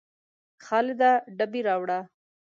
خالده ډبې راوړه